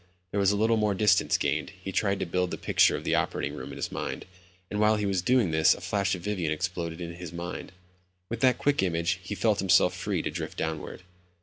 There was a little more distance gained. He tried to build the picture of the operating room in his mind and while he was doing this a flash of Vivian exploded his mind. With that quick image, he felt himself free to drift downward.